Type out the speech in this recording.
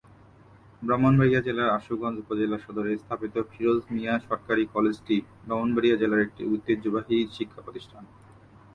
ব্রাহ্মণবাড়িয়া জেলার আশুগঞ্জ উপজেলা সদরে স্থাপিত ফিরোজ মিয়া সরকারি কলেজটি ব্রাহ্মণবাড়িয়া জেলার একটি ঐতিহ্যবাহী শিক্ষা প্রতিষ্ঠান।